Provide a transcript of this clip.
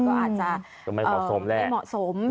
ก็อาจจะไม่เหมาะสม